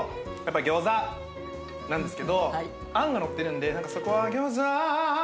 なんですけどあんがのってるんでそこは。